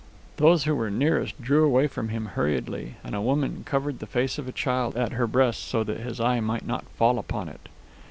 Those who were nearest drew away from him hurriedly, and a woman covered the face of a child at her breast so that his eye might not fall upon it.